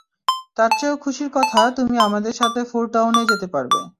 তার চেয়েও খুশির কথা, তুমি আমাদের সাথে ফোরটাউনে যেতে পারবে।